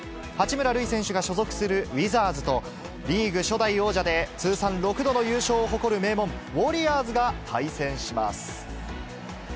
八村塁選手が所属するウィザーズと、リーグ初代王者で通算６度の優勝を誇る名門、ウォリアーズが対戦します。